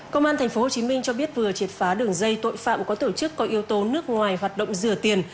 công an thành phố hồ chí minh cho biết vừa triệt phá đường dây tội phạm có tổ chức có yếu tố nước ngoài hoạt động rửa tiền